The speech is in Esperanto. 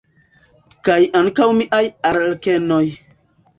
Kaj ankaŭ miaj arlekenoj!